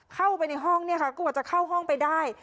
เข้าไปในห้องเนี่ยค่ะกว่าจะเข้าห้องไปได้